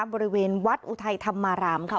บริเวณวัดอุทัยธรรมารามค่ะ